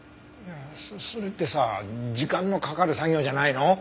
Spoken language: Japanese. そそれってさ時間のかかる作業じゃないの？